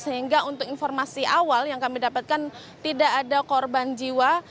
sehingga untuk informasi awal yang kami dapatkan tidak ada korban jiwa